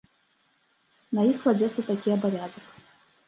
На іх кладзецца такі абавязак.